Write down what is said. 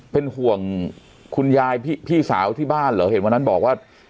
เป็นห่วงคุณยายพี่สาวที่บ้านเหรอเห็นวันนั้นบอกว่า